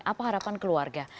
apa harapan keluarga